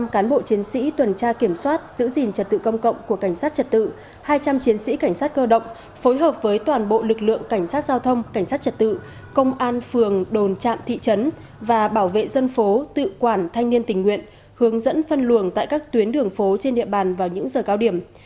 một trăm linh cán bộ chiến sĩ tuần tra kiểm soát giữ gìn trật tự công cộng của cảnh sát trật tự hai trăm linh chiến sĩ cảnh sát cơ động phối hợp với toàn bộ lực lượng cảnh sát giao thông cảnh sát trật tự công an phường đồn trạm thị trấn và bảo vệ dân phố tự quản thanh niên tình nguyện hướng dẫn phân luồng tại các tuyến đường phố trên địa bàn vào những giờ cao điểm